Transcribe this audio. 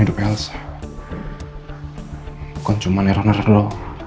bukan cuma niruner lo